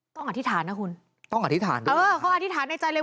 อธิษฐานนะคุณต้องอธิษฐานก่อนเออเขาอธิษฐานในใจเลย